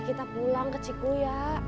kita pulang ke ciku ya